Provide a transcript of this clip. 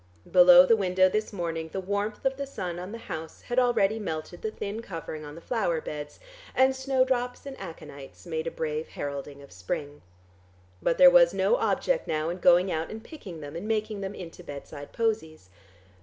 Below the window this morning the warmth of the sun on the house had already melted the thin covering on the flower beds, and snowdrops and aconites made a brave heralding of spring. But there was no object now in going out and picking them and making them into bedside posies.